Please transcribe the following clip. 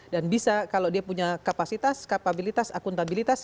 dan bisa kalau dia punya kapasitas kapabilitas akuntabilitas